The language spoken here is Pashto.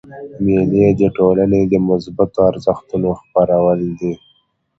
مېلې د ټولني د مثبتو ارزښتو خپرول دي.